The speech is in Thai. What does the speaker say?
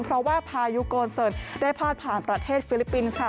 เพราะว่าพายุโกนเซินได้พาดผ่านประเทศฟิลิปปินส์ค่ะ